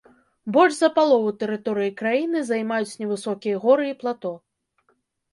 Больш за палову тэрыторыі краіны займаюць невысокія горы і плато.